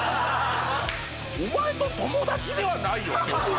お前と友達ではないよ？って思う。